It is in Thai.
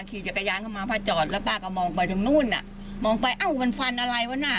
ขี่จักรยานเข้ามาป้าจอดแล้วป้าก็มองไปตรงนู้นอ่ะมองไปเอ้ามันฟันอะไรวะน่ะ